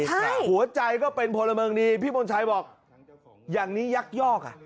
หัวใจก็เป็นพลเมิงดีพี่มนชัยบอกอย่างนี้ยักยอกอ่ะ